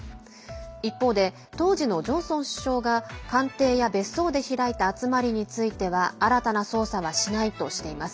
一方で、当時のジョンソン首相が官邸や別荘で開いた集まりについては新たな捜査はしないとしています。